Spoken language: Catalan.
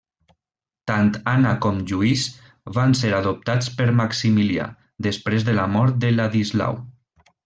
Tant Anna com Lluís van ser adoptats per Maximilià després de la mort de Ladislau.